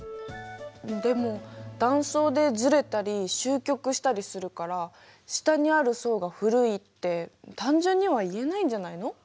でも断層でずれたりしゅう曲したりするから下にある層が古いって単純には言えないんじゃないの？